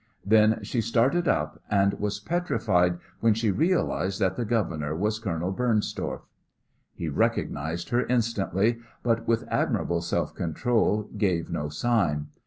Then she started up, and was petrified when she realized that the governor was Colonel Bernstorff. He recognized her instantly, but with admirable self control gave no sign.